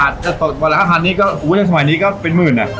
แต่วันถ้าขานี้จากสมัยนี้ก็เป็นหมื่นแหอะ